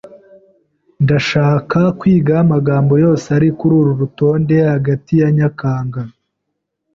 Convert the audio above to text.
Ndashaka kwiga amagambo yose ari kururu rutonde hagati ya Nyakanga.